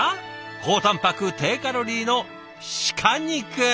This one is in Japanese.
高たんぱく低カロリーの鹿肉。